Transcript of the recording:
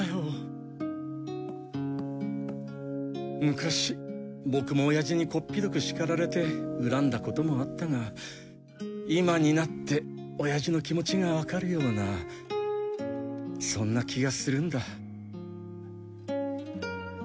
昔ボクもオヤジにこっぴどく叱られて恨んだこともあったが今になってオヤジの気持ちがわかるようなそんな気がするんだ。